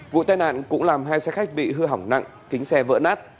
vụ tai nạn cũng làm hai xe khách bị hư hỏng nặng kính xe vỡ nát